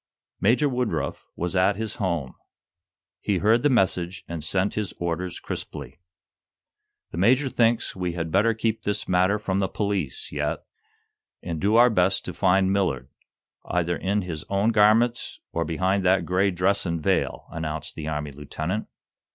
Major Woodruff was at his home. He heard the message and sent his orders crisply. "The major thinks we had better keep this matter from the police, yet, and do our best to find Millard, either in his own garments, or behind that gray dress and veil," announced the Army lieutenant.